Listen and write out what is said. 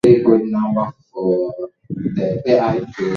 Biashara ya karafuu na watumwa visiwani Zanzibar